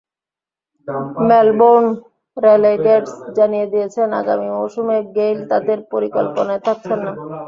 Melbourne Renegades জানিয়ে দিয়েছে, আগামী মৌসুমে গেইল তাদের পরিকল্পনায় থাকছেন না।